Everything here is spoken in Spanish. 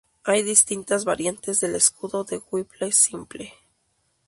Hay distintas variantes del escudo de Whipple simple.